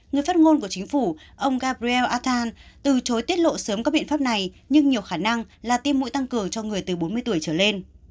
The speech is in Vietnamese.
người phát ngôn của chính phủ ông gabriel athan từ chối tiết lộ sớm các biện pháp này nhưng nhiều khả năng là tiêm mũi tăng cường cho người từ bốn mươi tuổi trở lên